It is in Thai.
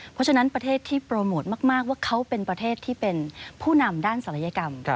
เพราะฉะนั้นประเทศที่โปรโมทมากว่าเขาเป็นประเทศที่เป็นผู้นำด้านศัลยกรรม